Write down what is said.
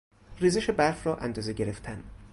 ریزش برف را اندازه گرفتن